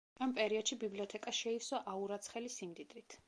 ამ პერიოდში ბიბლიოთეკა შეივსო აურაცხელი სიმდიდრით.